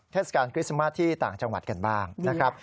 เทศกาลคริสต์มาสที่ต่างจังหวัดกันบ้างนะครับ